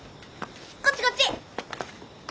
こっちこっち！